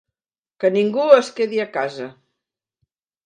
Que ningú es quedi a casa!